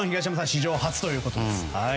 史上初ということです。